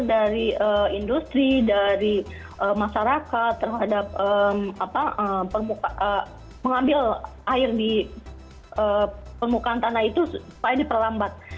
dari industri dari masyarakat terhadap mengambil air di permukaan tanah itu supaya diperlambat